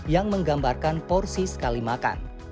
yang menggambarkan porsi sekali makan